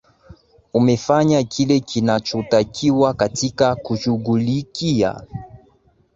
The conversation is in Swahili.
umefanya kile kinachotakiwa katika kushughulikia